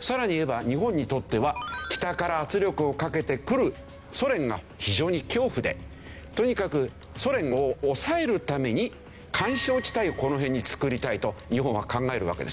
さらに言えば日本にとっては北から圧力をかけてくるソ連が非常に恐怖でとにかくソ連を抑えるために緩衝地帯をこの辺につくりたいと日本は考えるわけです。